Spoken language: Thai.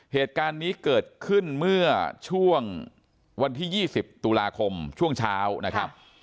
เหตุการณ์นี้เกิดขึ้นเมื่อช่วงวันที่๒๐ตุลาคมช่วงเช้านะครับ